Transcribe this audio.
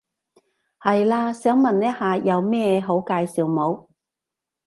係嘞，想問一下有咩好介紹冇？